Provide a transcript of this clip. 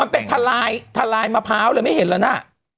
มันเป็นทะลายมะพร้าวเลยไม่เห็นละนะ